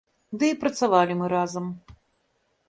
Ды і працавалі мы разам.